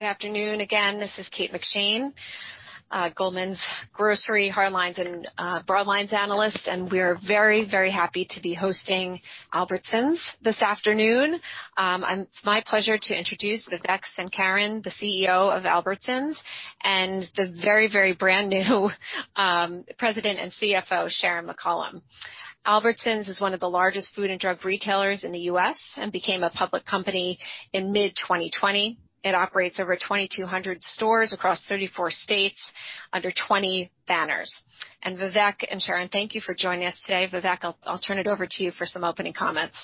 Good afternoon again. This is Kate McShane, Goldman's grocery hardlines and broadlines analyst, and we're very happy to be hosting Albertsons this afternoon. It's my pleasure to introduce Vivek Sankaran, the CEO of Albertsons, and the very brand new President and CFO, Sharon McCollam. Albertsons is one of the largest food and drug retailers in the U.S. and became a public company in mid 2020. It operates over 2,200 stores across 34 states under 20 banners. Vivek and Sharon, thank you for joining us today. Vivek, I'll turn it over to you for some opening comments.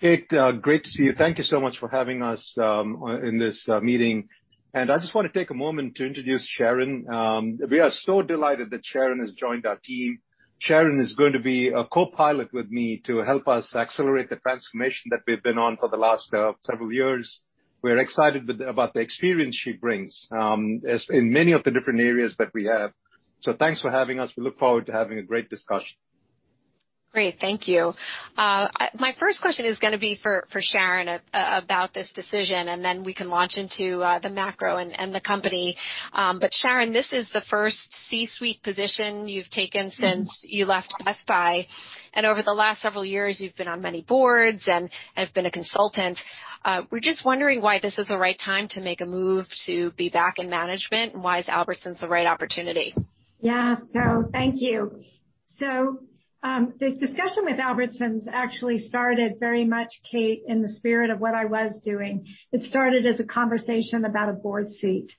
Kate, great to see you. Thank you so much for having us in this meeting. I just want to take a moment to introduce Sharon. We are so delighted that Sharon has joined our team. Sharon is going to be a co-pilot with me to help us accelerate the transformation that we've been on for the last several years. We're excited about the experience she brings in many of the different areas that we have. Thanks for having us. We look forward to having a great discussion. Great. Thank you. My first question is going to be for Sharon McCollam about this decision, and then we can launch into the macro and the company. Sharon McCollam, this is the first C-suite position you've taken since you left Best Buy. Over the last several years, you've been on many boards and have been a consultant. We're just wondering why this is the right time to make a move to be back in management and why is Albertsons the right opportunity? Thank you. The discussion with Albertsons actually started very much, Kate, in the spirit of what I was doing. It started as a conversation about a board seat.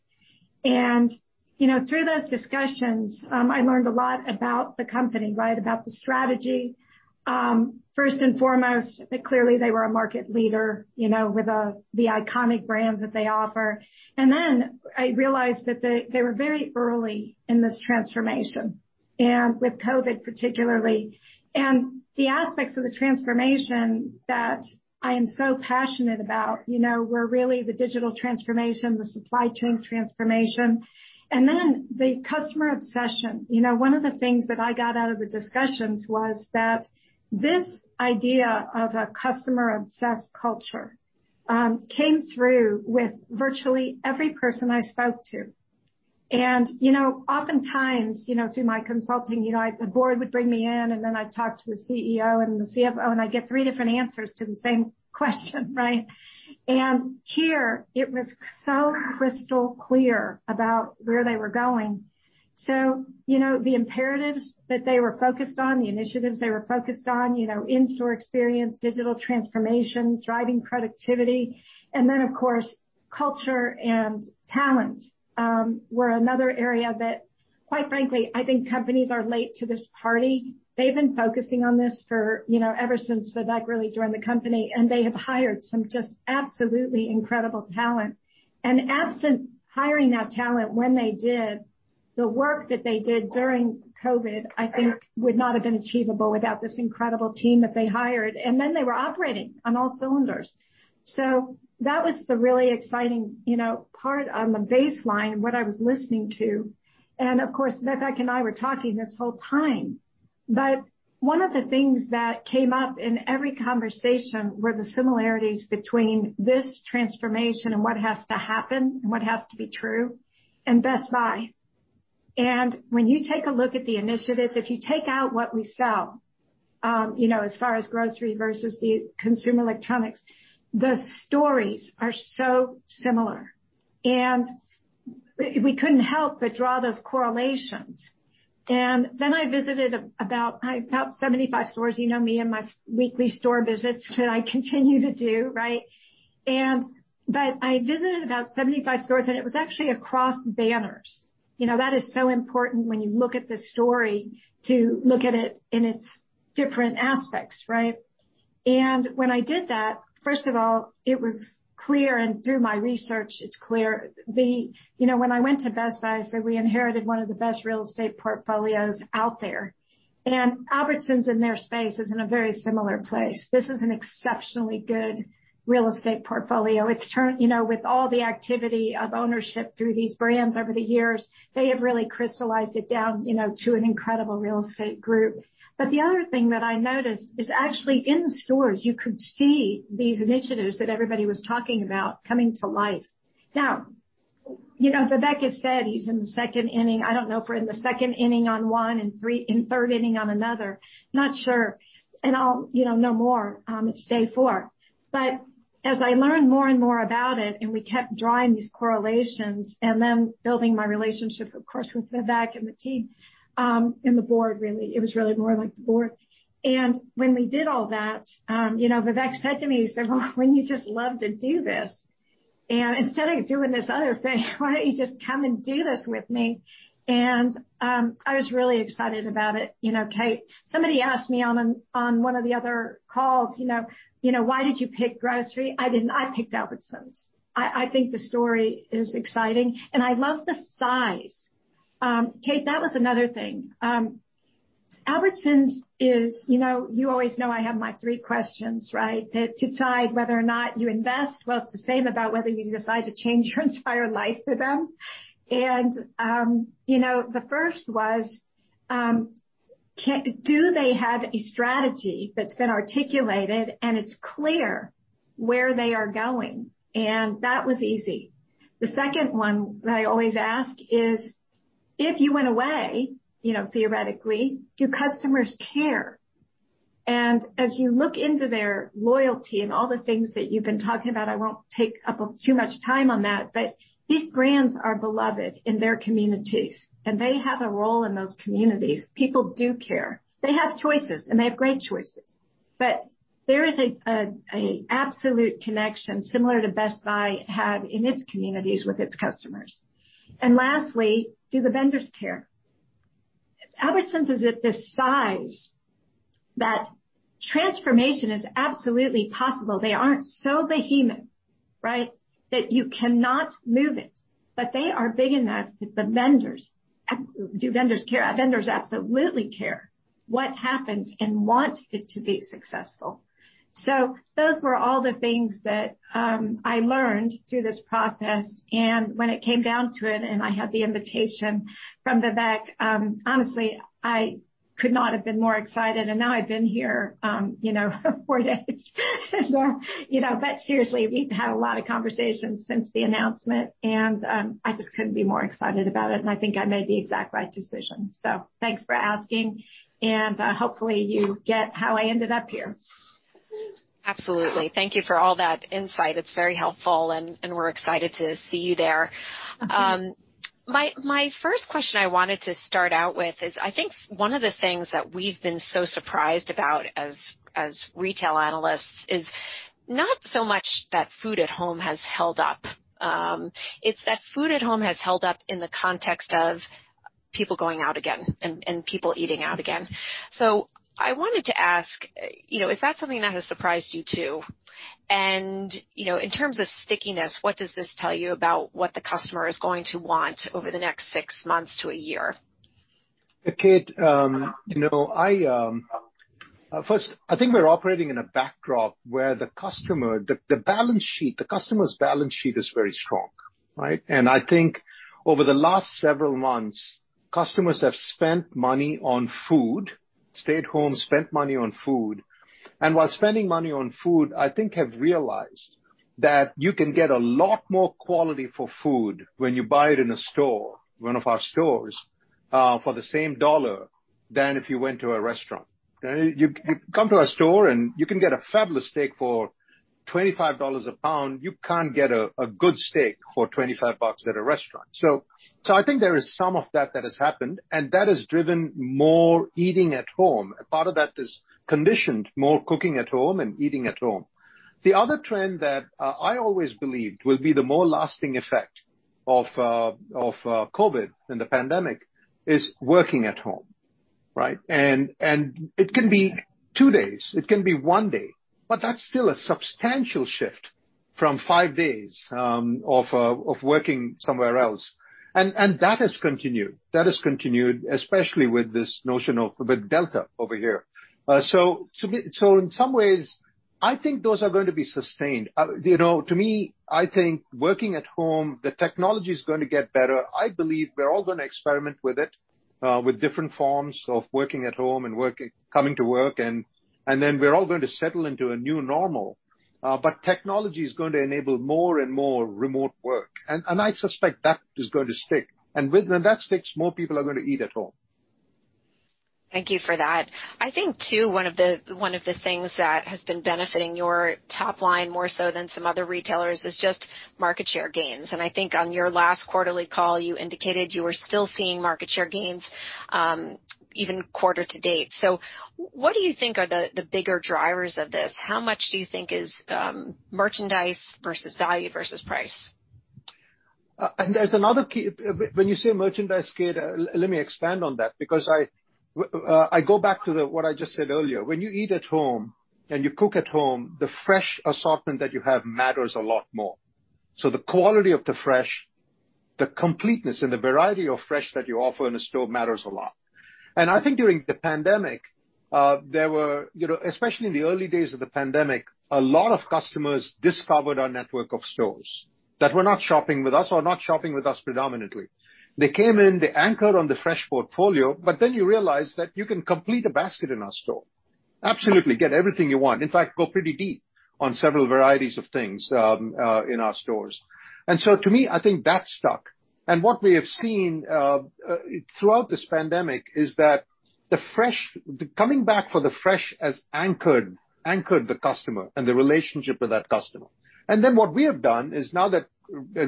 Through those discussions, I learned a lot about the company, about the strategy. First and foremost, that clearly they were a market leader, with the iconic brands that they offer. Then I realized that they were very early in this transformation, and with COVID particularly. The aspects of the transformation that I am so passionate about were really the digital transformation, the supply chain transformation, and then the customer obsession. One of the things that I got out of the discussions was that this idea of a customer-obsessed culture came through with virtually every person I spoke to. Oftentimes, through my consulting, the board would bring me in, and then I'd talk to the CEO and the CFO, and I'd get three different answers to the same question, right? Here it was so crystal clear about where they were going. The imperatives that they were focused on, the initiatives they were focused on, in-store experience, digital transformation, driving productivity. Then, of course, culture and talent were another area that, quite frankly, I think companies are late to this party. They've been focusing on this ever since Vivek really joined the company, and they have hired some just absolutely incredible talent. Absent hiring that talent when they did, the work that they did during COVID, I think, would not have been achievable without this incredible team that they hired. Then they were operating on all cylinders. That was the really exciting part on the baseline, what I was listening to. Of course, Vivek and I were talking this whole time. One of the things that came up in every conversation were the similarities between this transformation and what has to happen and what has to be true in Best Buy. When you take a look at the initiatives, if you take out what we sell, as far as grocery versus the consumer electronics, the stories are so similar. We couldn't help but draw those correlations. Then I visited about 75 stores, you know me and my weekly store visits that I continue to do, right? I visited about 75 stores, and it was actually across banners. That is so important when you look at the story to look at it in its different aspects, right? When I did that, first of all, it was clear, and through my research, it's clear. When I went to Best Buy, I said we inherited one of the best real estate portfolios out there. Albertsons, in their space, is in a very similar place. This is an exceptionally good real estate portfolio. With all the activity of ownership through these brands over the years, they have really crystallized it down to an incredible real estate group. The other thing that I noticed is actually in the stores, you could see these initiatives that everybody was talking about coming to life. Now, Vivek has said he's in the second inning. I don't know if we're in the second inning on 1 and third inning on another, not sure. I'll know more. It's day four. As I learned more and more about it and we kept drawing these correlations and then building my relationship, of course, with Vivek and the team, and the board, really, it was really more like the board. When we did all that, Vivek said to me, he said, "Well, wouldn't you just love to do this? And instead of doing this other thing, why don't you just come and do this with me?" I was really excited about it. Kate, somebody asked me on one of the other calls, "Why did you pick grocery?" I didn't. I picked Albertsons. I think the story is exciting, and I love the size. Kate, that was another thing. Albertsons is. You always know I have my 3 questions to decide whether or not you invest. Well, it's the same about whether you decide to change your entire life for them. The first was. Do they have a strategy that's been articulated and it's clear where they are going? That was easy. The second one that I always ask is, if you went away, theoretically, do customers care? As you look into their loyalty and all the things that you've been talking about, I won't take up too much time on that, but these brands are beloved in their communities, and they have a role in those communities. People do care. They have choices, and they have great choices. There is an absolute connection, similar to Best Buy had in its communities with its customers. Lastly, do the vendors care? Albertsons is at this size that transformation is absolutely possible. They aren't so behemoth that you cannot move it, but they are big enough that the vendors care? Vendors absolutely care what happens and want it to be successful. Those were all the things that I learned through this process, and when it came down to it, and I had the invitation from Vivek, honestly, I could not have been more excited. Now I've been here four days. Seriously, we've had a lot of conversations since the announcement, and I just couldn't be more excited about it, and I think I made the exact right decision. Thanks for asking, and hopefully, you get how I ended up here. Absolutely. Thank you for all that insight. It's very helpful, and we're excited to see you there. My first question I wanted to start out with is, I think one of the things that we've been so surprised about as retail analysts is not so much that food at home has held up. It's that food at home has held up in the context of people going out again and people eating out again. I wanted to ask, is that something that has surprised you, too? In terms of stickiness, what does this tell you about what the customer is going to want over the next six months to a year? Kate, first, I think we're operating in a backdrop where the customer's balance sheet is very strong. Right? I think over the last several months, customers have spent money on food, stayed home, spent money on food, and while spending money on food, I think have realized that you can get a lot more quality for food when you buy it in a store, one of our stores, for the same dollar than if you went to a restaurant. You come to our store, and you can get a fabulous steak for $25 a pound. You can't get a good steak for 25 bucks at a restaurant. I think there is some of that that has happened, and that has driven more eating at home. A part of that is conditioned more cooking at home and eating at home. The other trend that I always believed will be the more lasting effect of COVID and the pandemic is working at home. Right. It can be two days, it can be one day, but that's still a substantial shift from five days of working somewhere else. That has continued, especially with this notion of, with Delta over here. In some ways, I think those are going to be sustained. To me, I think working at home, the technology's going to get better. I believe we're all going to experiment with it, with different forms of working at home and coming to work, and then we're all going to settle into a new normal. Technology's going to enable more and more remote work. I suspect that is going to stick. When that sticks, more people are going to eat at home. Thank you for that. I think, too, one of the things that has been benefiting your top line more so than some other retailers is just market share gains. I think on your last quarterly call, you indicated you were still seeing market share gains even quarter to date. What do you think are the bigger drivers of this? How much do you think is merchandise versus value versus price? When you say merchandise, Kate, let me expand on that because I go back to what I just said earlier. When you eat at home and you cook at home, the fresh assortment that you have matters a lot more. The quality of the fresh, the completeness and the variety of fresh that you offer in a store matters a lot. I think during the pandemic, especially in the early days of the pandemic, a lot of customers discovered our network of stores that were not shopping with us or not shopping with us predominantly. They came in, they anchored on the fresh portfolio, you realize that you can complete a basket in our store. Absolutely, get everything you want. In fact, go pretty deep on several varieties of things in our stores. To me, I think that stuck. What we have seen throughout this pandemic is that coming back for the fresh has anchored the customer and the relationship with that customer. What we have done is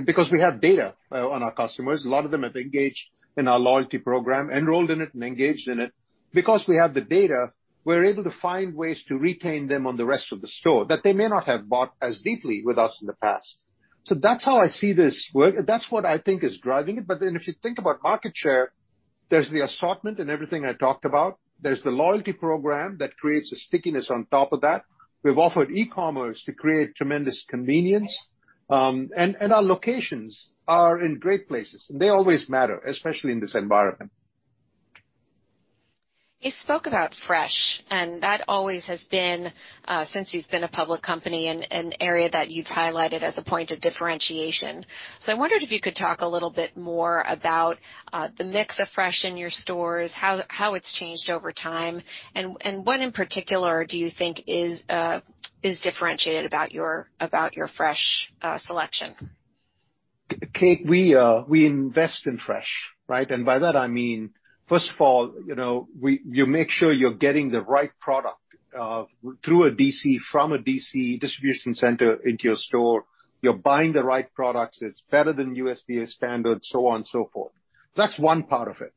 because we have data on our customers, a lot of them have engaged in our loyalty program, enrolled in it and engaged in it. Because we have the data, we're able to find ways to retain them on the rest of the store that they may not have bought as deeply with us in the past. That's how I see this work. That's what I think is driving it. If you think about market share, there's the assortment and everything I talked about. There's the loyalty program that creates a stickiness on top of that. We've offered e-commerce to create tremendous convenience. Our locations are in great places, and they always matter, especially in this environment. You spoke about fresh, that always has been, since you've been a public company, an area that you've highlighted as a point of differentiation. I wondered if you could talk a little bit more about the mix of fresh in your stores, how it's changed over time, and what in particular do you think is differentiated about your fresh selection? Kate, we invest in fresh, right? By that I mean, first of all, you make sure you're getting the right product through a DC, from a DC, distribution center, into your store. You're buying the right products, it's better than USDA standards, so on and so forth. That's one part of it.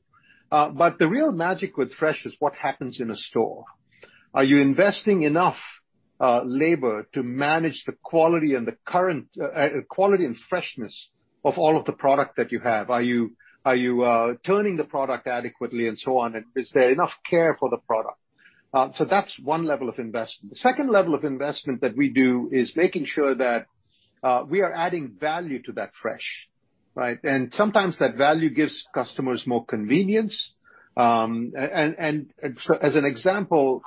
The real magic with fresh is what happens in a store. Are you investing enough labor to manage the quality and freshness of all of the product that you have? Are you turning the product adequately, and so on, and is there enough care for the product? That's one level of investment. The second level of investment that we do is making sure that we are adding value to that fresh, right? Sometimes that value gives customers more convenience. As an example,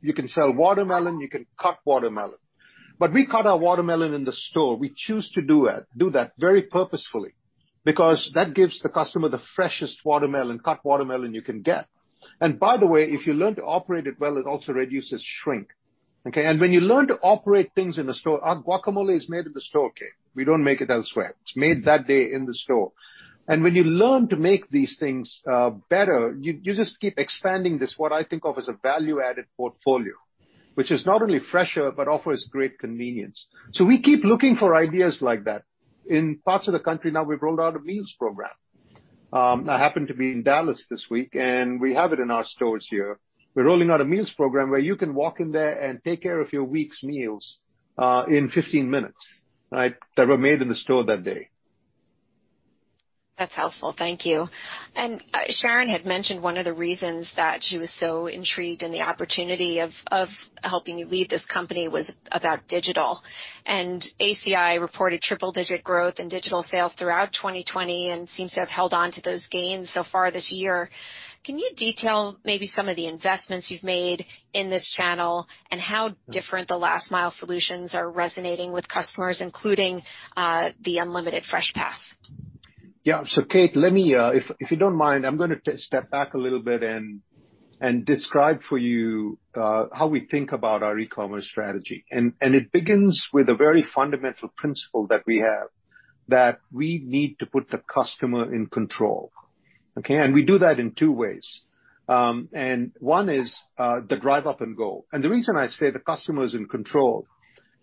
you can sell watermelon, you can cut watermelon. We cut our watermelon in the store. We choose to do that very purposefully, because that gives the customer the freshest watermelon, cut watermelon, you can get. By the way, if you learn to operate it well, it also reduces shrink. Okay? When you learn to operate things in a store. Our guacamole is made in the store, Kate. We don't make it elsewhere. It's made that day in the store. When you learn to make these things better, you just keep expanding this, what I think of as a value-added portfolio. Which is not only fresher, but offers great convenience. We keep looking for ideas like that. In parts of the country now, we've rolled out a meals program. I happen to be in Dallas this week, and we have it in our stores here. We're rolling out a meals program where you can walk in there and take care of your week's meals in 15 minutes, right, that were made in the store that day. That's helpful. Thank you. Sharon McCollam had mentioned one of the reasons that she was so intrigued in the opportunity of helping you lead this company was about digital. ACI reported triple-digit growth in digital sales throughout 2020 and seems to have held onto those gains so far this year. Can you detail maybe some of the investments you've made in this channel and how different the last mile solutions are resonating with customers, including, the unlimited FreshPass? Yeah. Kate, let me, if you don't mind, I'm going to step back a little bit and describe for you how we think about our e-commerce strategy. It begins with a very fundamental principle that we have, that we need to put the customer in control. Okay? We do that in two ways. One is, the DriveUp & Go. The reason I say the customer is in control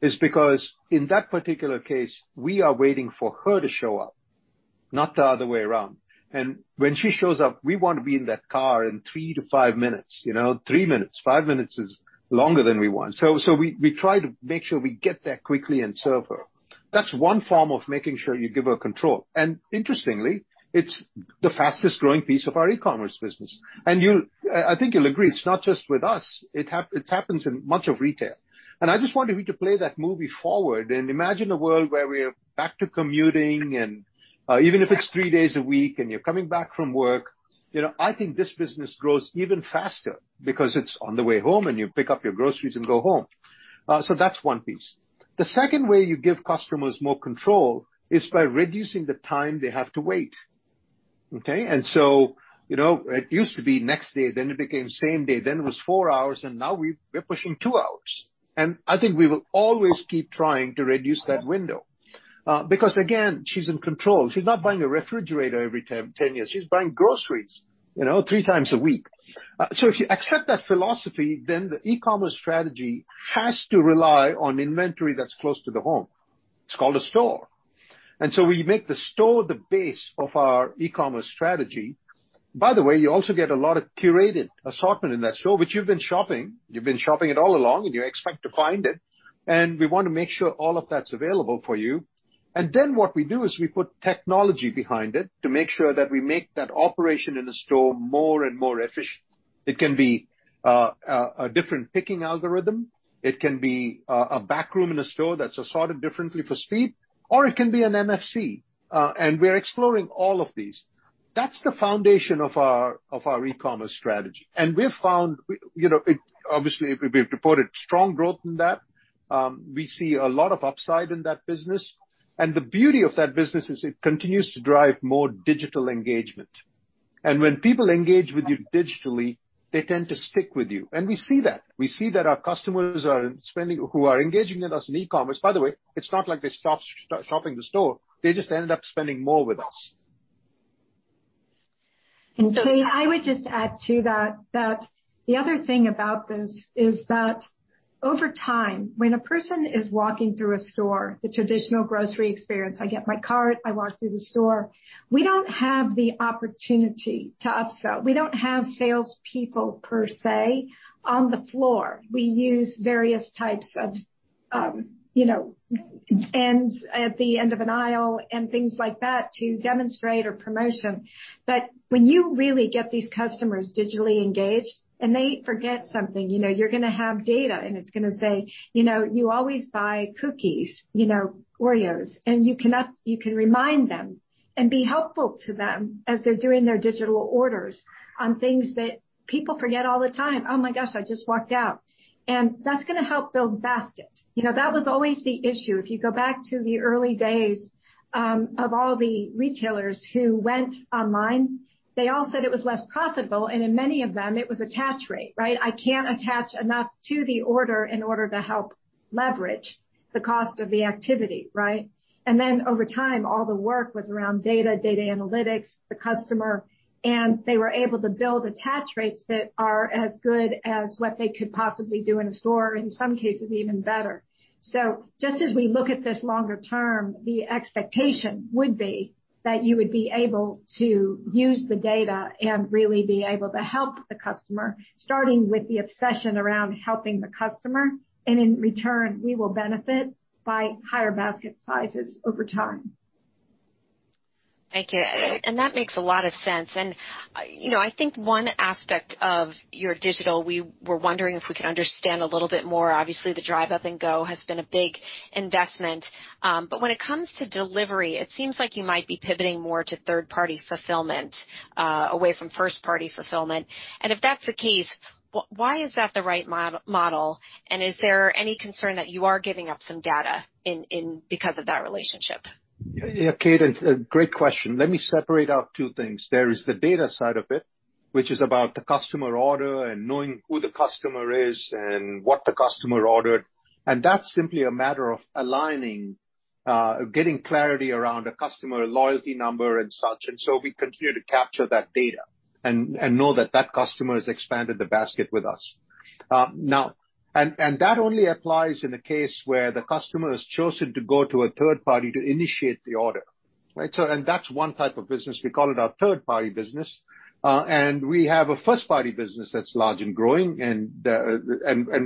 is because in that particular case, we are waiting for her to show up, not the other way around. When she shows up, we want to be in that car in three to five minutes. Three minutes. Five minutes is longer than we want. We try to make sure we get there quickly and serve her. That's one form of making sure you give her control. Interestingly, it's the fastest growing piece of our e-commerce business. I think you'll agree, it's not just with us, it happens in much of retail. I just want you to play that movie forward and imagine a world where we're back to commuting and, even if it's three days a week and you're coming back from work, I think this business grows even faster because it's on the way home and you pick up your groceries and go home. That's one piece. The second way you give customers more control is by reducing the time they have to wait. Okay. It used to be next day, then it became same day, then it was four hours, and now we're pushing two hours. I think we will always keep trying to reduce that window. Because again, she's in control. She's not buying a refrigerator every 10 years. She's buying groceries three times a week. If you accept that philosophy, the e-commerce strategy has to rely on inventory that's close to the home. It's called a store. We make the store the base of our e-commerce strategy. By the way, you also get a lot of curated assortment in that store, which you've been shopping, you've been shopping it all along, and you expect to find it. We want to make sure all of that's available for you. What we do is we put technology behind it to make sure that we make that operation in a store more and more efficient. It can be a different picking algorithm, it can be a back room in a store that's assorted differently for speed, or it can be an MFC. We're exploring all of these. That's the foundation of our e-commerce strategy. We've found, obviously we've reported strong growth in that. We see a lot of upside in that business. The beauty of that business is it continues to drive more digital engagement. When people engage with you digitally, they tend to stick with you. We see that. We see that our customers who are engaging with us in e-commerce, by the way, it's not like they stop shopping the store. They just end up spending more with us. Kate, I would just add to that the other thing about this is that over time, when a person is walking through a store, the traditional grocery experience, I get my cart, I walk through the store, we don't have the opportunity to upsell. We don't have salespeople per se on the floor. We use various types and at the end of an aisle and things like that to demonstrate a promotion. When you really get these customers digitally engaged and they forget something, you're going to have data, and it's going to say, "You always buy cookies, Oreo." You can remind them and be helpful to them as they're doing their digital orders on things that people forget all the time, "Oh, my gosh, I just walked out." That's going to help build basket. That was always the issue. If you go back to the early days, of all the retailers who went online, they all said it was less profitable, and in many of them, it was attach rate, right? I can't attach enough to the order in order to help leverage the cost of the activity, right? Over time, all the work was around data analytics, the customer, and they were able to build attach rates that are as good as what they could possibly do in a store, in some cases even better. Just as we look at this longer term, the expectation would be that you would be able to use the data and really be able to help the customer, starting with the obsession around helping the customer, and in return, we will benefit by higher basket sizes over time. Thank you. That makes a lot of sense. I think one aspect of your digital, we were wondering if we could understand a little bit more. Obviously, the DriveUp & Go has been a big investment. When it comes to delivery, it seems like you might be pivoting more to third-party fulfillment, away from first-party fulfillment. If that's the case, why is that the right model, and is there any concern that you are giving up some data because of that relationship? Yeah, Kate, it's a great question. Let me separate out two things. There is the data side of it, which is about the customer order and knowing who the customer is and what the customer ordered. That's simply a matter of aligning, getting clarity around a customer loyalty number and such, we continue to capture that data and know that that customer has expanded the basket with us. That only applies in a case where the customer has chosen to go to a third party to initiate the order, right? That's one type of business. We call it our third-party business. We have a first-party business that's large and growing, and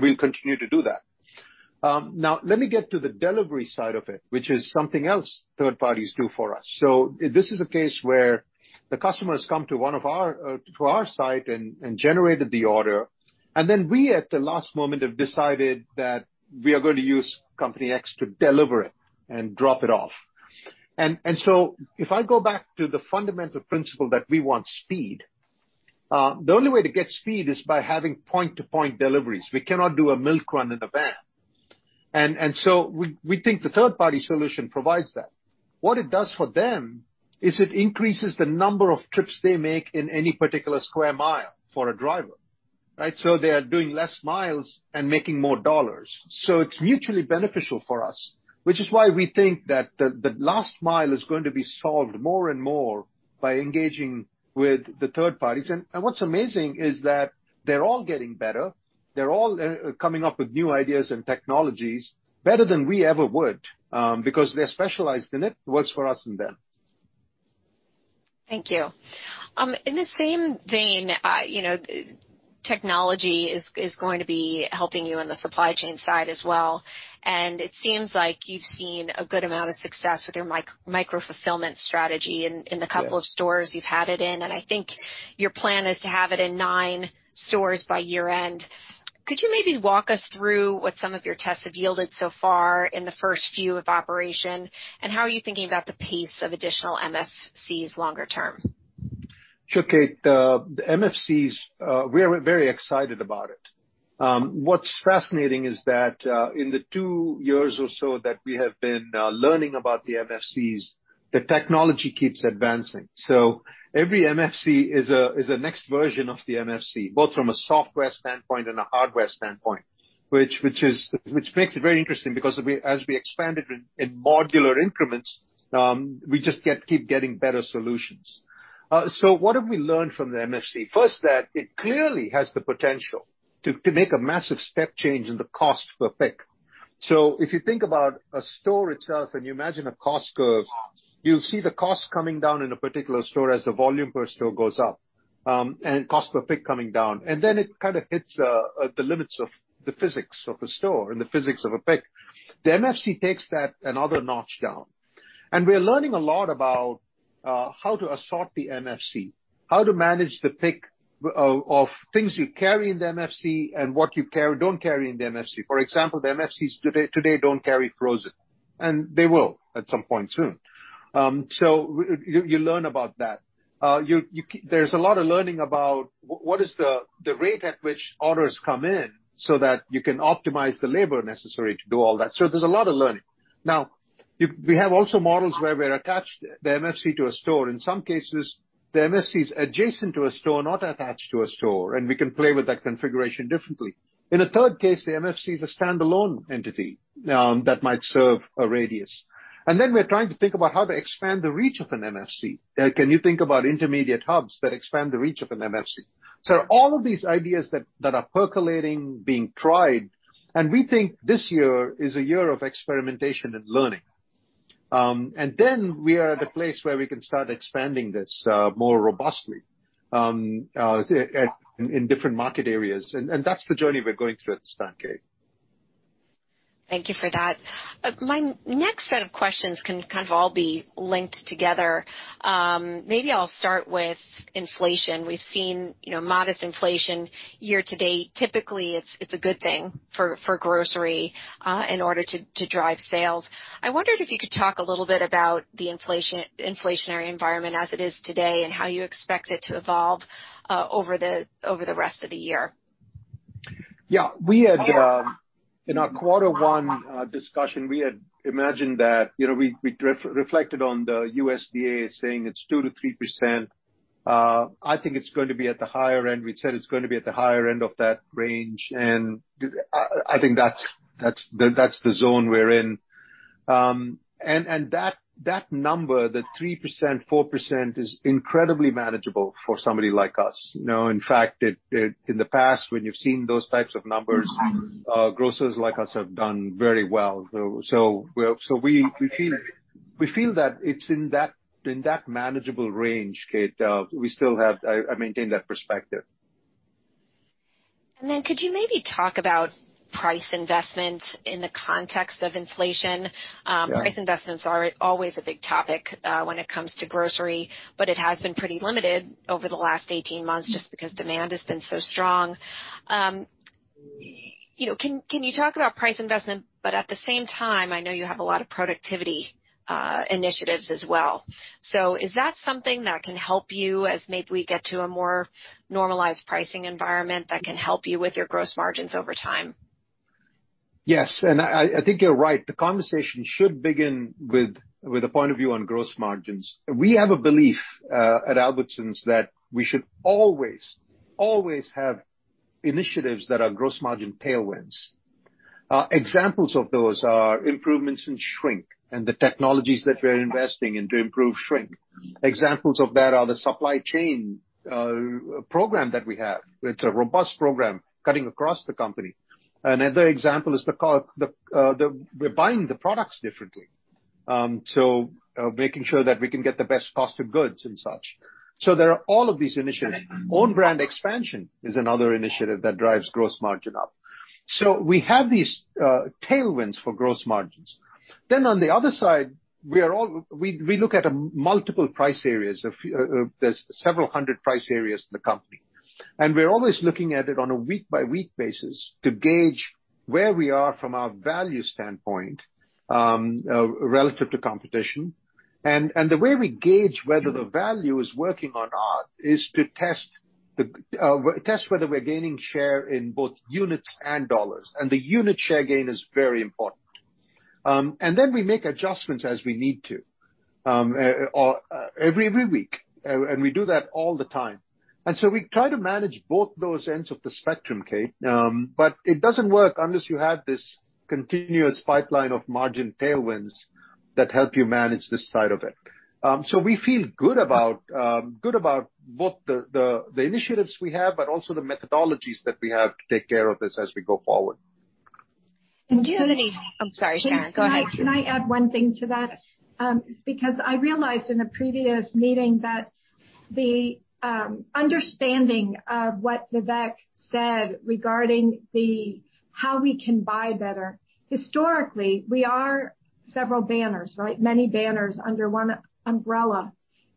we'll continue to do that. Let me get to the delivery side of it, which is something else third parties do for us. This is a case where the customer has come to our site and generated the order, and then we, at the last moment, have decided that we are going to use company X to deliver it and drop it off. If I go back to the fundamental principle that we want speed, the only way to get speed is by having point-to-point deliveries. We cannot do a milk run in a van. We think the third-party solution provides that. What it does for them is it increases the number of trips they make in any particular one square mile for a driver, right? They are doing less miles and making more dollars. It's mutually beneficial for us, which is why we think that the last mile is going to be solved more and more by engaging with the third parties. What's amazing is that they're all getting better. They're all coming up with new ideas and technologies better than we ever would, because they're specialized in it. It works for us and them. Thank you. In the same vein, technology is going to be helping you on the supply chain side as well. It seems like you've seen a good amount of success with your micro-fulfillment strategy. Yeah the couple of stores you've had it in, and I think your plan is to have it in nine stores by year-end. Could you maybe walk us through what some of your tests have yielded so far in the first few of operation, and how are you thinking about the pace of additional MFCs longer term? Sure, Kate. The MFCs, we are very excited about it. What's fascinating is that, in the two years or so that we have been learning about the MFCs, the technology keeps advancing. Every MFC is a next version of the MFC, both from a software standpoint and a hardware standpoint, which makes it very interesting because as we expand it in modular increments, we just keep getting better solutions. What have we learned from the MFC? First, that it clearly has the potential to make a massive step change in the cost per pick. If you think about a store itself and you imagine a cost curve, you'll see the cost coming down in a particular store as the volume per store goes up, and cost per pick coming down. Then it kind of hits the limits of the physics of a store and the physics of a pick. The MFC takes that another notch down. We are learning a lot about how to assort the MFC, how to manage the pick of things you carry in the MFC and what you don't carry in the MFC. For example, the MFCs today don't carry frozen, and they will at some point soon. You learn about that. There's a lot of learning about what is the rate at which orders come in so that you can optimize the labor necessary to do all that. There's a lot of learning. Now, we have also models where we're attached the MFC to a store. In some cases, the MFC's adjacent to a store, not attached to a store, and we can play with that configuration differently. In a third case, the MFC is a standalone entity that might serve a radius. We're trying to think about how to expand the reach of an MFC. Can you think about intermediate hubs that expand the reach of an MFC? All of these ideas that are percolating, being tried, and we think this year is a year of experimentation and learning. We are at a place where we can start expanding this more robustly in different market areas. That's the journey we're going through at this time, Kate. Thank you for that. My next set of questions can kind of all be linked together. Maybe I'll start with inflation. We've seen modest inflation year to date. Typically, it's a good thing for grocery in order to drive sales. I wondered if you could talk a little bit about the inflationary environment as it is today and how you expect it to evolve over the rest of the year. Yeah. In our quarter one discussion, we had imagined that, we reflected on the USDA saying it's 2%-3%. I think it's going to be at the higher end. We'd said it's going to be at the higher end of that range, and I think that's the zone we're in. That number, the 3%, 4%, is incredibly manageable for somebody like us. In fact, in the past, when you've seen those types of numbers, grocers like us have done very well. We feel that it's in that manageable range, Kate. I maintain that perspective. Could you maybe talk about price investments in the context of inflation? Yeah. Price investments are always a big topic when it comes to grocery, but it has been pretty limited over the last 18 months just because demand has been so strong. Can you talk about price investment? At the same time, I know you have a lot of productivity initiatives as well. Is that something that can help you as maybe we get to a more normalized pricing environment that can help you with your gross margins over time? Yes. I think you're right. The conversation should begin with a point of view on gross margins. We have a belief at Albertsons that we should always have initiatives that are gross margin tailwinds. Examples of those are improvements in shrink and the technologies that we're investing in to improve shrink. Examples of that are the supply chain program that we have. It's a robust program cutting across the company. Another example is we're buying the products differently. Making sure that we can get the best cost of goods and such. There are all of these initiatives. Own Brands expansion is another initiative that drives gross margin up. We have these tailwinds for gross margins. On the other side, we look at multiple price areas. There's several hundred price areas in the company, and we're always looking at it on a week-by-week basis to gauge where we are from a value standpoint relative to competition. The way we gauge whether the value is working or not is to test whether we're gaining share in both units and dollars. The unit share gain is very important. Then we make adjustments as we need to every week, and we do that all the time. We try to manage both those ends of the spectrum, Kate. It doesn't work unless you have this continuous pipeline of margin tailwinds that help you manage this side of it. We feel good about both the initiatives we have, but also the methodologies that we have to take care of this as we go forward. I'm sorry, Sharon, go ahead. Can I add one thing to that? I realized in a previous meeting that the understanding of what Vivek said regarding how we can buy better. Historically, we are several banners, right? Many banners under one umbrella.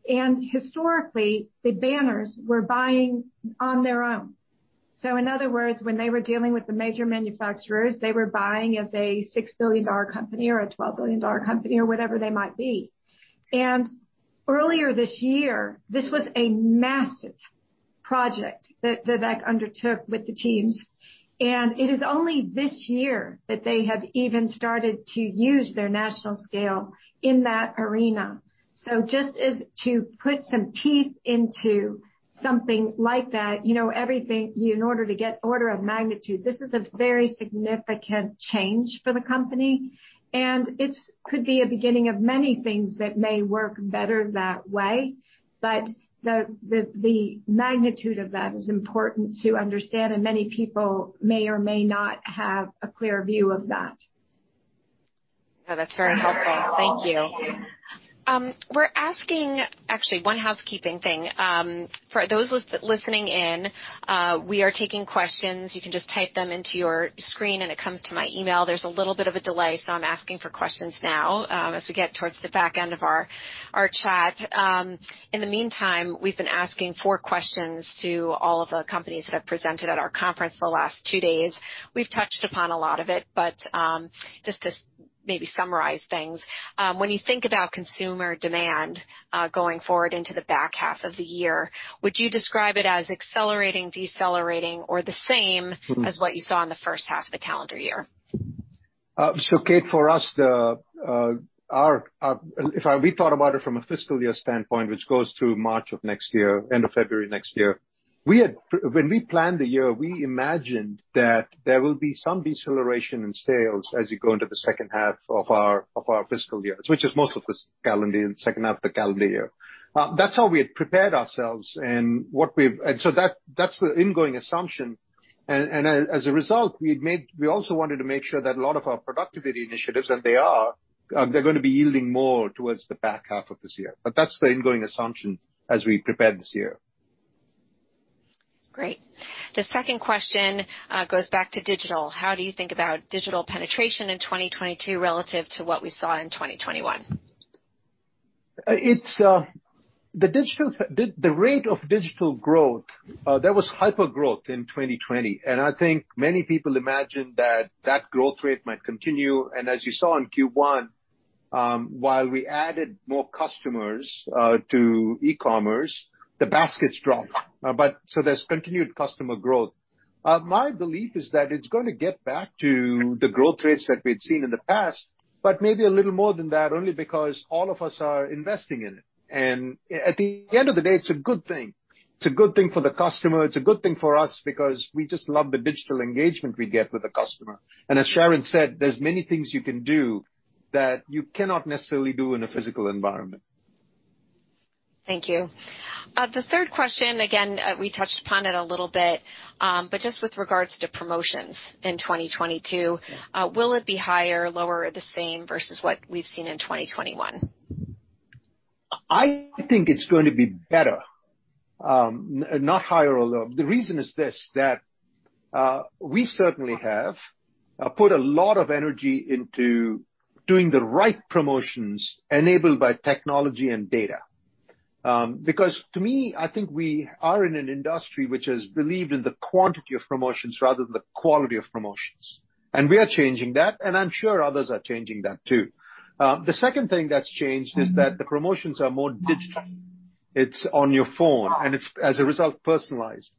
Historically, the banners were buying on their own. In other words, when they were dealing with the major manufacturers, they were buying as a $6 billion company or a $12 billion company or whatever they might be. Earlier this year, this was a massive project that Vivek undertook with the teams, and it is only this year that they have even started to use their national scale in that arena. Just as to put some teeth into something like that, in order to get order of magnitude, this is a very significant change for the company, and it could be a beginning of many things that may work better that way. The magnitude of that is important to understand, and many people may or may not have a clear view of that. No, that's very helpful. Thank you. Actually, one housekeeping thing. For those listening in, we are taking questions. You can just type them into your screen, and it comes to my email. There's a little bit of a delay, so I'm asking for questions now as we get towards the back end of our chat. In the meantime, we've been asking four questions to all of the companies that have presented at our conference the last two days. We've touched upon a lot of it, but just to maybe summarize things. When you think about consumer demand going forward into the back half of the year, would you describe it as accelerating, decelerating, or the same as what you saw in the first half of the calendar year? Kate, for us, if we thought about it from a fiscal year standpoint, which goes to March of next year, end of February next year. When we planned the year, we imagined that there will be some deceleration in sales as you go into the second half of our fiscal year, which is most of the second half of the calendar year. That's how we had prepared ourselves. That's the ingoing assumption. As a result, we also wanted to make sure that a lot of our productivity initiatives, and they are, they're going to be yielding more towards the back half of this year. That's the ingoing assumption as we prepare this year. Great. The second question goes back to digital. How do you think about digital penetration in 2022 relative to what we saw in 2021? The rate of digital growth, there was hyper-growth in 2020, and I think many people imagined that that growth rate might continue. As you saw in Q1, while we added more customers to e-commerce, the baskets dropped. There's continued customer growth. My belief is that it's going to get back to the growth rates that we'd seen in the past, but maybe a little more than that, only because all of us are investing in it. At the end of the day, it's a good thing. It's a good thing for the customer, it's a good thing for us, because we just love the digital engagement we get with the customer. As Sharon said, there's many things you can do that you cannot necessarily do in a physical environment. Thank you. The third question, again, we touched upon it a little bit. Just with regards to promotions in 2022, will it be higher, lower, or the same versus what we've seen in 2021? I think it's going to be better. Not higher or lower. The reason is this, that we certainly have put a lot of energy into doing the right promotions enabled by technology and data. To me, I think we are in an industry which has believed in the quantity of promotions rather than the quality of promotions. We are changing that, and I'm sure others are changing that too. The second thing that's changed is that the promotions are more digital. It's on your phone, and it's, as a result, personalized.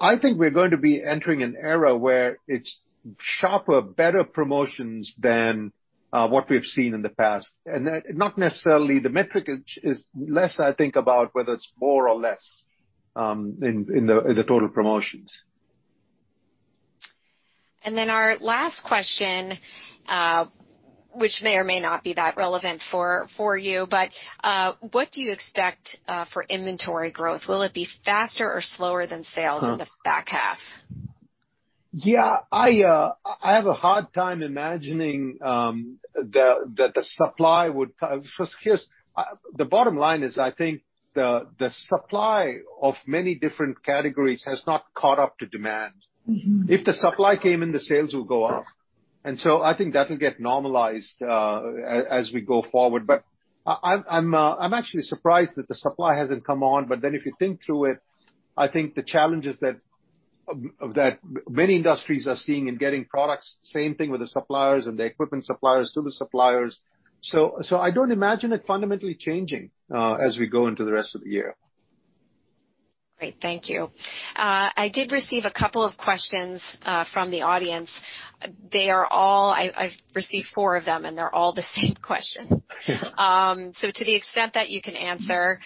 I think we're going to be entering an era where it's sharper, better promotions than what we've seen in the past, and not necessarily the metric, is less, I think, about whether it's more or less in the total promotions. Our last question, which may or may not be that relevant for you, but what do you expect for inventory growth? Will it be faster or slower than sales in the back half? Yeah. I have a hard time imagining that the supply. The bottom line is, I think the supply of many different categories has not caught up to demand. If the supply came in, the sales would go up. I think that'll get normalized as we go forward. I'm actually surprised that the supply hasn't come on. If you think through it, I think the challenges that many industries are seeing in getting products, same thing with the suppliers and the equipment suppliers to the suppliers. I don't imagine it fundamentally changing as we go into the rest of the year. Great. Thank you. I did receive a couple of questions from the audience. I've received four of them, and they're all the same question. To the extent that you can answer,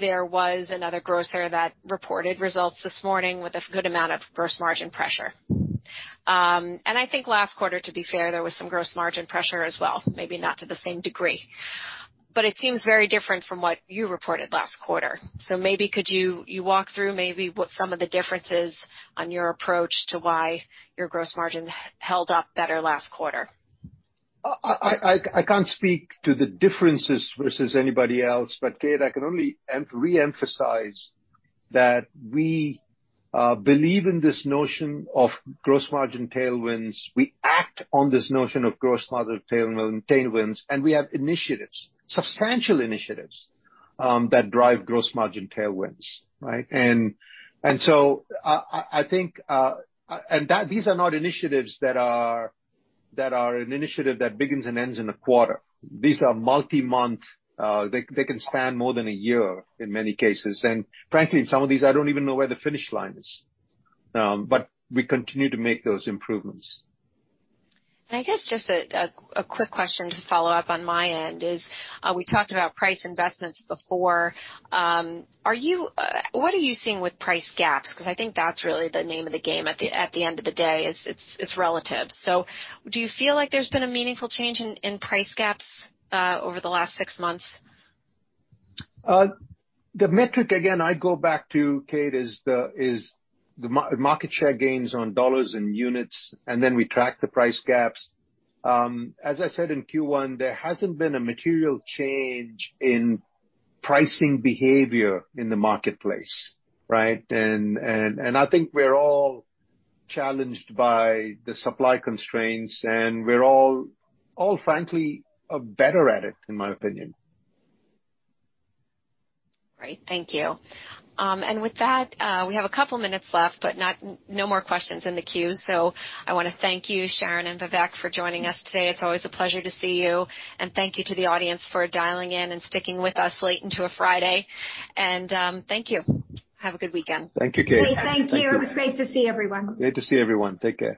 there was another grocer that reported results this morning with a good amount of gross margin pressure. I think last quarter, to be fair, there was some gross margin pressure as well, maybe not to the same degree. It seems very different from what you reported last quarter. Maybe could you walk through maybe what some of the difference is on your approach to why your gross margin held up better last quarter? I can't speak to the differences versus anybody else, but Kate, I can only re-emphasize that we believe in this notion of gross margin tailwinds. We act on this notion of gross margin tailwinds, and we have initiatives, substantial initiatives, that drive gross margin tailwinds, right? These are not initiatives that are an initiative that begins and ends in a quarter. These are multi-month, they can span more than a year in many cases. Frankly, some of these, I don't even know where the finish line is. We continue to make those improvements. I guess just a quick question to follow up on my end is, we talked about price investments before. What are you seeing with price gaps? I think that's really the name of the game at the end of the day, is it's relative. Do you feel like there's been a meaningful change in price gaps over the last six months? The metric, again, I go back to, Kate, is the market share gains on dollars and units, and then we track the price gaps. As I said, in Q1, there hasn't been a material change in pricing behavior in the marketplace, right? I think we're all challenged by the supply constraints, and we're all, frankly, better at it, in my opinion. Great. Thank you. With that, we have a couple of minutes left, no more questions in the queue. I want to thank you, Sharon and Vivek, for joining us today. It's always a pleasure to see you. Thank you to the audience for dialing in and sticking with us late into a Friday. Thank you. Have a good weekend. Thank you, Kate. Great. Thank you. It was great to see everyone. Great to see everyone. Take care.